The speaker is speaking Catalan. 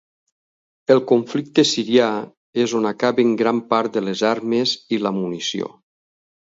El conflicte sirià és on acaben gran part de les armes i la munició.